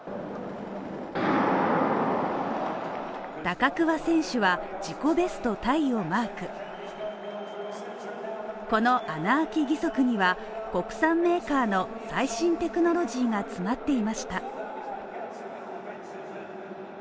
高桑選手は自己ベストタイをマークこの穴あき義足には国産メーカーの最新テクノロジーが詰まっていました